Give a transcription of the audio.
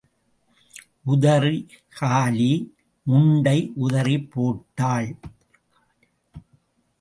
உதறு காலி முண்டை உதறிப் போட்டாள்.